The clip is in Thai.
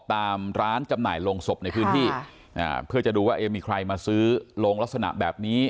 ตามร้านจำหน่ายโรงศพในพื้นที่เพื่อจะดูว่าเอ๊มีใครมาซื้อโรงลักษณะแบบนี้